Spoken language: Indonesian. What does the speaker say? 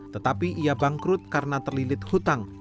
tetapi ia bangkrut karena terlilit hutang